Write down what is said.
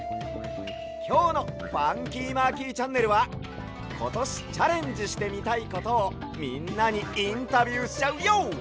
きょうの「ファンキーマーキーチャンネル」はことしチャレンジしてみたいことをみんなにインタビューしちゃうＹＯ！